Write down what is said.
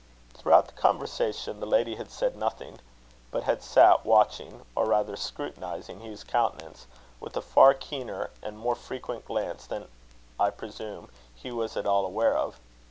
Throughout the conversation, the lady had said nothing, but had sat watching, or rather scrutinizing, Hugh's countenance, with a far keener and more frequent glance than, I presume, he was at all aware of.